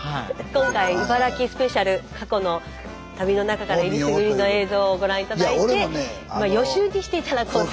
今回茨城スペシャル過去の旅の中からえりすぐりの映像をご覧頂いてまあ予習にして頂こうと。